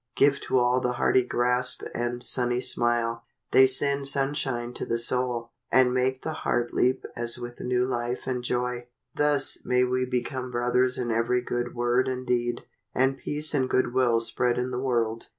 Give to all the hearty grasp and the sunny smile. They send sunshine to the soul, and make the heart leap as with new life and joy. Thus may we become brothers in every good word and deed, and peace and good will spread in the world.